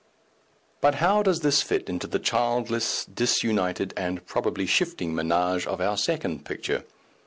But how does this fit into the childless, disunited, and probably shifting ménage of our second picture?